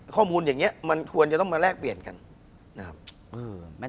คุณผู้ชมบางท่าอาจจะไม่เข้าใจที่พิเตียร์สาร